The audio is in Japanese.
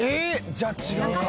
じゃあ違うか。